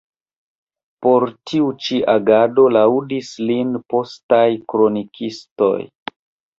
Por tiu ĉi agado laŭdis lin postaj kronikistoj.